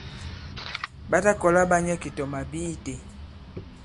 Ɓa ta kɔla ɓa nyɛ ki tɔ màbi itē.